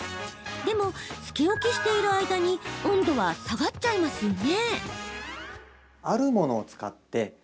でも、つけ置きしている間に温度は下がっちゃいますよね？